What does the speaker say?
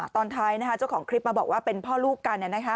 ตอนท้ายเจ้าของคลิปมาบอกว่าเป็นพ่อลูกกัน